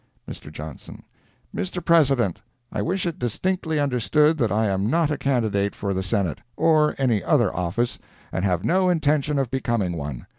Mr. Johnson—"Mr. President: I wish it distinctly understood that I am not a candidate for the Senate, or any other office, and have no intention of becoming one.